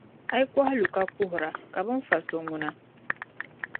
A yi kɔhi n-lu ka kuhira, ka bɛ ni fa so ŋuna?